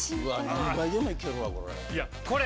何杯でもいけるわこれ。